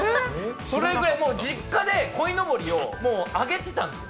それくらい実家でこいのぼりを揚げてたんです。